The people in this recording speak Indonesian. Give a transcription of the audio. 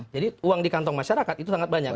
jadi uang di kantong masyarakat itu sangat banyak